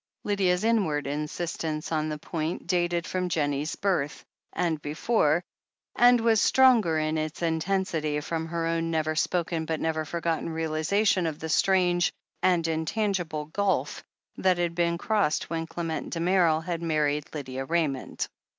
Lydia's inward insistence on the point dated from Jennie's birth, and before, and was the stronger in its intensity from her own never spoken but never for gotten realization of the strange and intangible gulf that had been crossed when Clement Damerel had married Lydia Ra)miond.